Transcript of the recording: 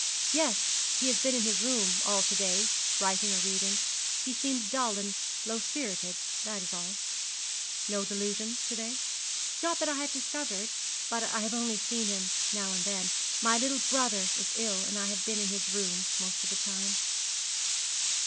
'Yes; he has been in his room all to day, writing or reading. He seems dull and low spirited, that is all.' 'No delusions to day?' 'Not that I have discovered; but I have only seen him now and then. My little brother is ill, and I have been in his room most of my time.'